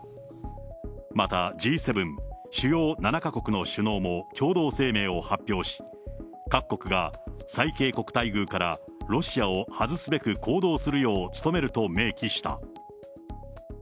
またＧ７・主要７か国の首脳も共同声明を発表し、各国が最恵国待遇からロシアを外すべく行動するよう努めると明記した。